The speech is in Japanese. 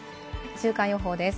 週間予報です。